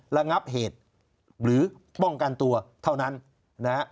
ระงับเหตุหรือป้องกันตัวเท่านั้นนะฮะ